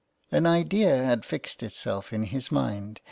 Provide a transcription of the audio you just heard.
An idea had fixed itself in his mind.